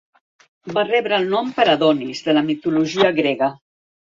Va rebre el nom per Adonis, de la mitologia grega.